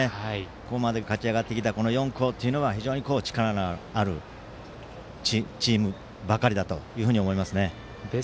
ここまで勝ち上がってきた４校というのが、非常に力のあるチームばかりだというふうに思います。